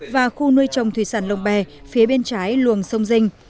và khu nuôi trồng thủy sản lồng bè phía bên trái luồng sông dinh